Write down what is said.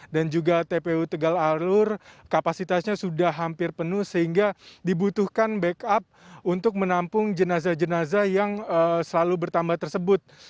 dan juga tpu tegal alur kapasitasnya sudah hampir penuh sehingga dibutuhkan backup untuk menampung jenazah jenazah yang selalu bertambah tersebut